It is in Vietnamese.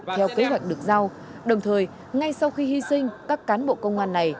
theo kế hoạch được giao đồng thời ngay sau khi hy sinh các cán bộ công an này